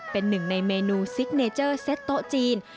เป็นหนึ่งในเมนูซิกเนเจอร์เซ็ตโต๊ะจีน